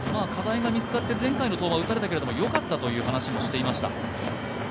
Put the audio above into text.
課題が見つかって前回の登板は打たれたけれども、よかったという話もしていました。